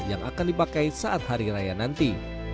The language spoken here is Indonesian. yang akan dipakai saat hari raya nanti